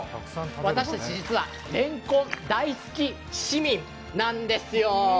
私たち実はれんこん大好き市民なんですよ。